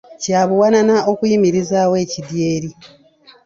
Kya buwanana okuyimirizaawo ekidyeri.